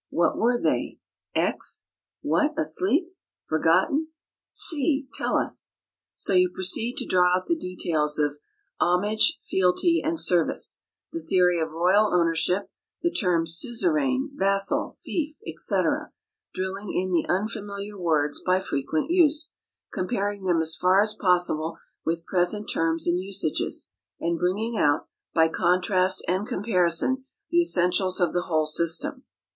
What were they, X? What! asleep? Forgotten? C, tell us." So you proceed to draw out the details of homage, fealty, and service, the theory of royal ownership, the terms suzerain, vassal, fief, etc., drilling in the unfamiliar words by frequent use, comparing them as far as possible with present terms and usages, and bringing out, by contrast and comparison, the essentials of the whole system.